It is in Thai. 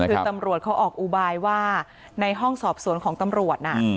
คือตำรวจเขาออกอุบายว่าในห้องสอบสวนของตำรวจน่ะ